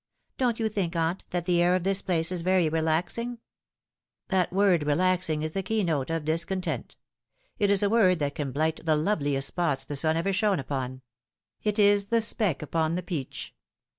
Don't you think, aunt, that the air of this place is very relaxing ?" That word relaxing is the keynote of discontent. It is a word that can blight the loveliest spots the sun ever shone upon. It is the speck upon the peach.